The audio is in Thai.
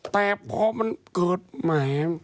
แต่พอมันเกิดมา